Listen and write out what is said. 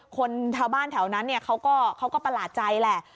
คนชาวบ้านแถวนั้นเขาก็ประหลาดใจแหละ